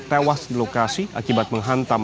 tewas di lokasi akibat menghantam